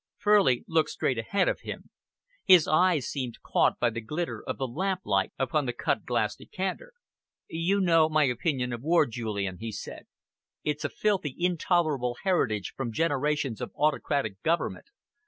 Furley looked straight ahead of him. His eyes seemed caught by the glitter of the lamplight upon the cut glass decanter. "You know my opinion of war, Julian," he said. "It's a filthy, intolerable heritage from generations of autocratic government.